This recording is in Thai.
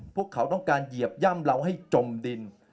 พวกเขาต้องการเหยียบย่ำเราให้จมดิน